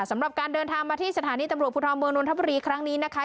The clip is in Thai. สำหรับการเดินทางมาที่สถานีตำรวจภูทรเมืองนทบุรีครั้งนี้นะคะ